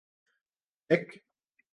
check